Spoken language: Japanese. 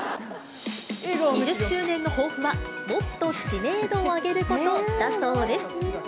２０周年の抱負は、もっと知名度を上げることだそうです。